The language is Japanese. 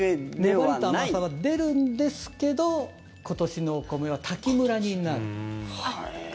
粘りと甘さは出るんですけど今年のお米は炊きむらになる。